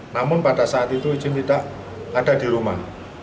namun pada saat itu izin tidak ada di rumah